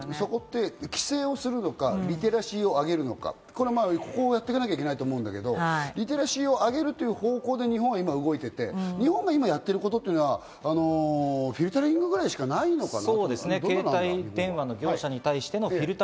そこは規制をするとか、リテラシーを上げるとか、やっていかなければいけないと思うんだけど、リテラシーを上げるということで、今、日本は動いてるけど、日本が今やってるのはフィルタリングくらいしかないのかな？